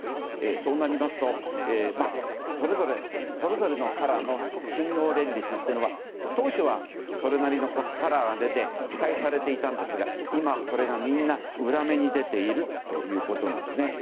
そうなりますと、それぞれのカラーの信号連立というのは当初は、それなりのカラーが出て期待されていたんですが今、これがみんな裏目に出ているということです。